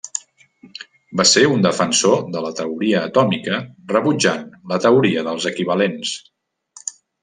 Va ser un defensor de la teoria atòmica rebutjant la teoria dels equivalents.